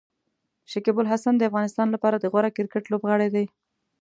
شکيب الحسن د افغانستان لپاره د غوره کرکټ لوبغاړی دی.